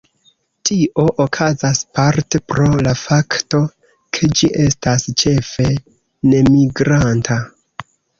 Tio okazas parte pro la fakto ke ĝi estas ĉefe nemigranta.